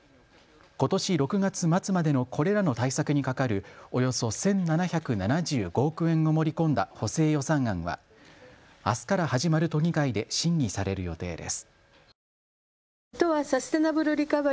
ことし６月末までのこれらの対策にかかるおよそ１７７５億円を盛り込んだ補正予算案はあすから始まる都議会で審議される予定です。